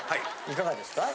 いかがですか？